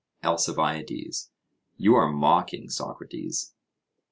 ALCIBIADES: You are mocking, Socrates.